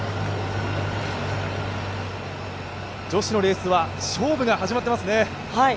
女子のレースは勝負が始まってますね。